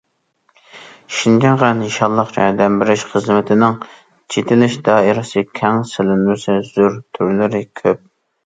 شىنجاڭغا نىشانلىق ياردەم بېرىش خىزمىتىنىڭ چېتىلىش دائىرىسى كەڭ، سېلىنمىسى زور، تۈرلىرى كۆپ.